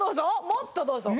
もっとどうぞ。